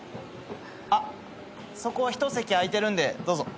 あっそこ一席空いてるんでどうぞ。